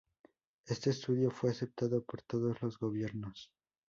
Este estudio fue aceptado por todos los gobiernos.